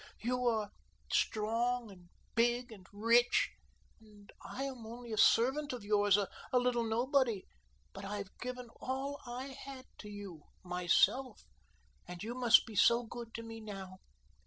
You are strong, and big, and rich, and I am only a servant of yours, a little nobody, but I've given all I had to you myself and you must be so good to me now.